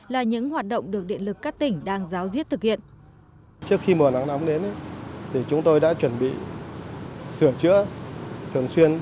là những hoạt động được điện lực các tỉnh đang giáo diết thực hiện